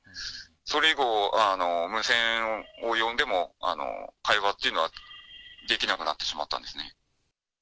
それ以後、無線を呼んでも会話っていうのは、できなくなってしまったんですね。